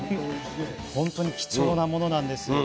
本当に貴重なものなんです。